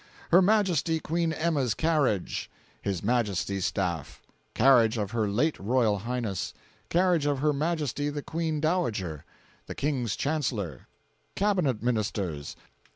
Her Majesty Queen Emma's Carriage. His Majesty's Staff. Carriage of Her late Royal Highness. Carriage of Her Majesty the Queen Dowager. The King's Chancellor. Cabinet Ministers.